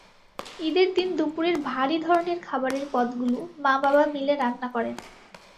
ঈদের দিন দুপুরের ভারী ধরনের খাবারের পদগুলো মা-বাবা মিলে রান্না করেন।